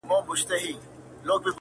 سلطنت یې له کشمیره تر دکن وو-